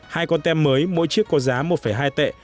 hai con tem mới mỗi chiếc có giá một hai tệ